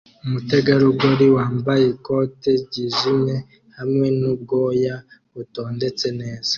umutegarugori wambaye ikote ryijimye hamwe nubwoya butondetse neza